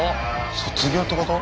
卒業ってこと？